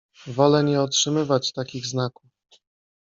Wolę nie otrzymywać takich znaków!…